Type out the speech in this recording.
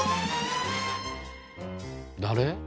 誰？